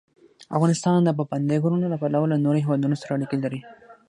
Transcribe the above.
افغانستان د پابندی غرونه له پلوه له نورو هېوادونو سره اړیکې لري.